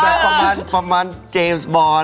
แบบประมาณเจมส์บอร์น